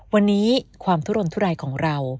วันนี้ความทุรนทุรายของเรา